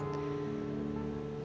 kita masih saling mencintai